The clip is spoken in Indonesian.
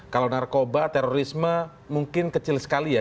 kalau narkoba terorisme mungkin kecil sekali ya